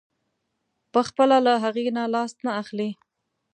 پخپله له هغې نه لاس نه اخلي.